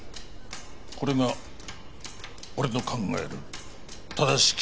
これが俺の考える正しき